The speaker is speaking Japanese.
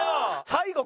最後。